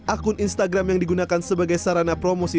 akun instagram yang digunakan sebagai sarana promosi